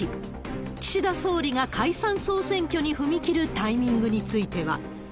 岸田総理が解散・総選挙に踏み切るタイミングについては。